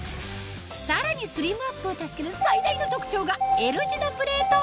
さらにスリムアップを助ける最大の特徴がＬ字のプレート